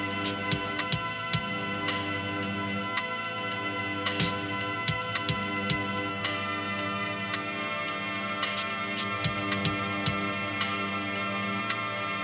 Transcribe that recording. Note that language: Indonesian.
aku ingin kamu mencari dia